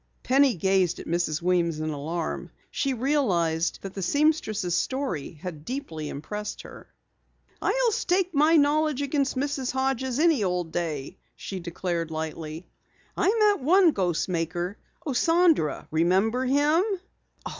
Penny gazed at Mrs. Weems in alarm. She realized that the seamstress' story had deeply impressed her. "I'll stake my knowledge against Mrs. Hodges' any old day," she declared lightly. "I met one ghost maker Osandra remember him?"